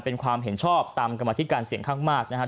เป็นความเห็นชอบตามกรรมธิการเสียงข้างมากนะครับ